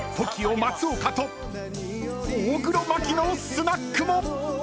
松岡と大黒摩季のスナックも。